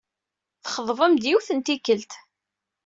Txeḍbem-d, yiwet n tikkelt.